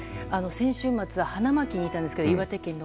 先週末、花巻にいたんですけど岩手県の。